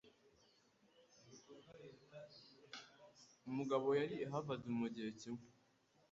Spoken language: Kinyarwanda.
Mugabo yari i Harvard mugihe kimwe.